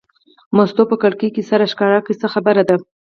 مستو په کړکۍ کې سر راښکاره کړ: څه خبره ده.